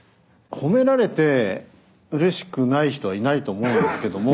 褒められてうれしくない人はいないと思うんですけども。